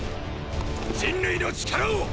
人類の力を！！